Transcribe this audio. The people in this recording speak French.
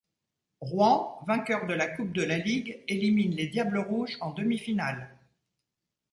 Rouen vainqueur de la Coupe de la Ligue élimine les diables rouges en demi-finale.